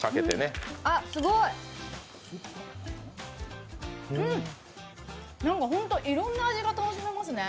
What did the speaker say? あ、すごい、うん、ホントいろんな味が楽しめますね。